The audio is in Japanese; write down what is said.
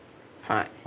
はい。